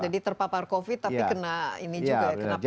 jadi terpapar covid tapi kena ini juga ya